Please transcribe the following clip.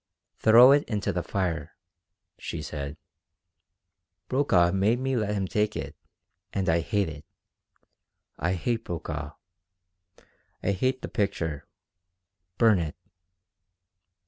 "Throw it into the fire," she said. "Brokaw made me let him take it, and I hate it. I hate Brokaw. I hate the picture. Burn it."